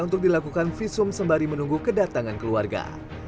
untuk dilakukan visum sembari menunggu kedatangan keluarga